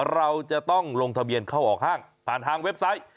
เราจะต้องลงทะเบียนเข้าออกห้างผ่านทางเว็บไซต์